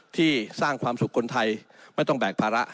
ที่สร้างความสุขคนไทยไม่ต้องแบกภาระ